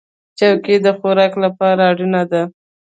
چوکۍ د خوراک لپاره اړینه ده.